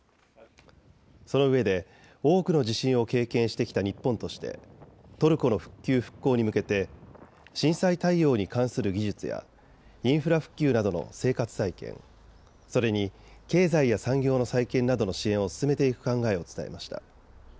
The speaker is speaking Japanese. そのうえで多くの地震を経験してきた日本としてトルコの復旧・復興に向けて震災対応に関する技術やインフラ復旧などの生活再建、それに経済や産業の再建などの支援を進めていく考えを伝えました。